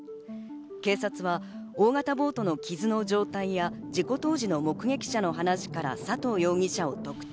警察は大型ボートの傷の状態や、事故当時の目撃者の話から佐藤容疑者を特定。